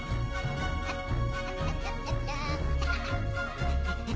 ア！ハハハ！